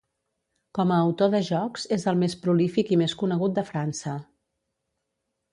Com a autor de jocs és el més prolífic i més conegut de França.